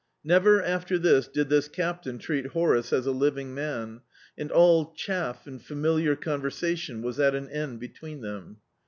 Never, after this, did this Captain treat Horace as a living man, and all chaff and familiar conversatioa was at an end between them.